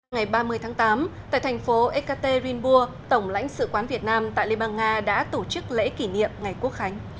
ngày ba mươi tháng tám tại thành phố ekaterinburg tổng lãnh sự quán việt nam tại liên bang nga đã tổ chức lễ kỷ niệm ngày quốc khánh